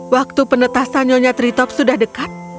waktu penetasan nyonya tritop sudah dekat